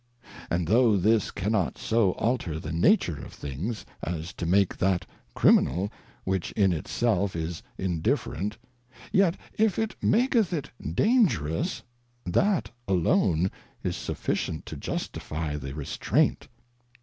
And though this cannot so alter the Nature of things, as to make that Criminal, which in it self is Indifferent ; yet if it maketh it dangerous, that alone is sufficient to justifie the Restraint.